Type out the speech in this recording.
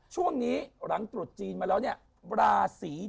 ช่วงนี้หลังตรวจจีนมาแล้วคร้าวดังสีใด